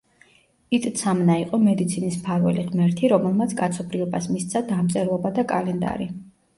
იტცამნა იყო მედიცინის მფარველი ღმერთი, რომელმაც კაცობრიობას მისცა დამწერლობა და კალენდარი.